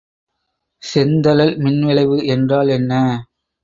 செந்தழல் மின்விளைவு என்றால் என்ன?